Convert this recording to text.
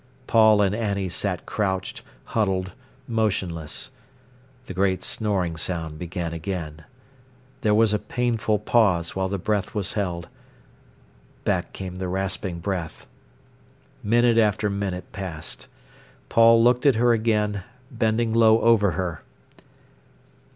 Paul and Annie sat crouched, huddled, motionless. The great snoring sound began again—there was a painful pause while the breath was held—back came the rasping breath. Minute after minute passed. Paul looked at her again, bending low over her.